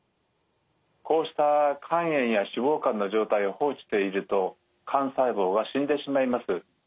こうした肝炎や脂肪肝の状態を放置していると肝細胞が死んでしまいます。